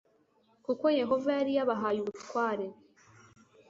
kuko yehova yari yabahaye ubutware